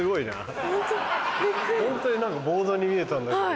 ホントにボードに見えたんだけど。